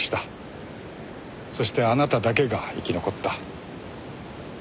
そしてあなただけが生き残った。